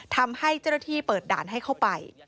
ทำให้เจ้าหน้าที่เปิดด่านให้เข้าไป